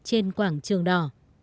trên quảng trường đỏ